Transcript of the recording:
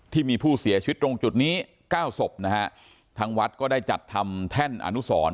ที่มีผู้เสียชีวิตตรงจุดนี้เก้าศพนะฮะทางวัดก็ได้จัดทำแท่นอนุสร